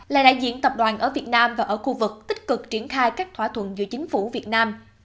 là đại diện tập đoàn ở việt nam và ở khu vực tích cực triển khai các thỏa thuận giữa chính phủ việt nam